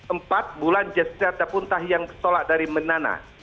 empat bulan jadat depuntah yang ketolak dari menana